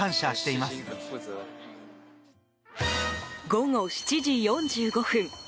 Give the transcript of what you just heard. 午後７時４５分